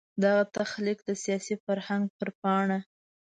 دغه تخلیق د سیاسي فرهنګ پر پاڼه.